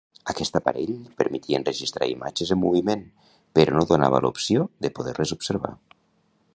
Aquest aparell permetia enregistrar imatges en moviment, però no donava l'opció de poder-les observar.